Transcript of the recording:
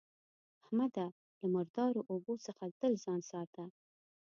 احمده! له مردارو اوبو څخه تل ځان ساته.